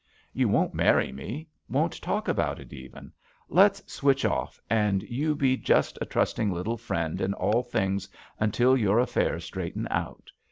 You won't marry me, won't talk about it even ; let's switch off and you be just a trusting little friend in all things until your affairs straighten out.